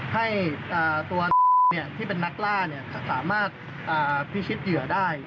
ให้ตัวที่เป็นนักล่าสามารถพิชิตเหยื่อได้